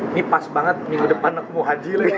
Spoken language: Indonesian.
ini pas banget minggu depan aku mau haji deh